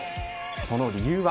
その理由は。